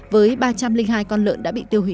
với ba trăm linh hai con lợn đã bị tiêu hủy